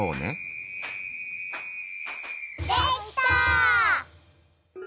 できた！